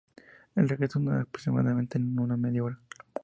El regreso dura aproximadamente una media hora.